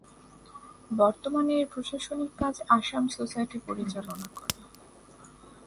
বর্তমানে এর প্রশাসনিক কাজ আসাম সোসাইটি পরিচালনা করে।